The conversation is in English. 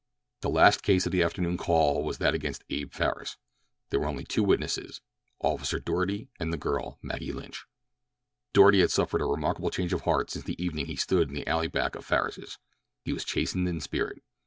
The last case of the afternoon call was that against Abe Farris. There were only two witnesses—Officer Doarty and the girl, Maggie Lynch. Doarty had suffered a remarkable change of heart since the evening he stood in the alley back of Farris's. He was chastened in spirit.